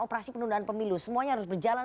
operasi penundaan pemilu semuanya harus berjalan